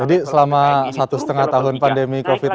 jadi selama satu setengah tahun pandemi covid sembilan belas ini